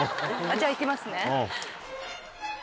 じゃあ行きますね。